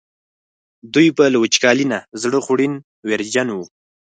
دوی به له وچکالۍ نه زړه خوړ ویرجن وو.